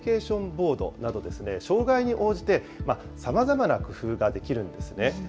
ボードなどですね、障害に応じてさまざまな工夫ができるんですね。